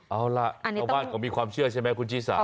เอาล่ะก็มีความเชื่อใช่มั้ยคุณจีสา